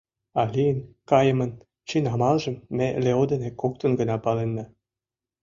А лийын кайымын чын амалжым ме Лео дене коктын гына паленна.